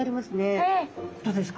どうですか？